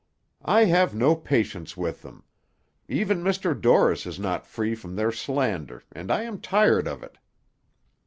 "I have no patience with them. Even Mr. Dorris is not free from their slander, and I am tired of it."